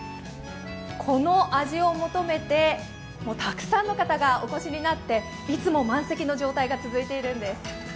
この味を求めてたくさんの方がお越しになっていつも満席の状態が続いているんです。